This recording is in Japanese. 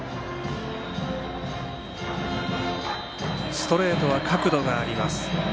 ストレートは、角度があります。